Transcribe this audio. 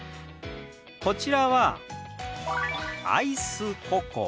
こちらは「アイスココア」。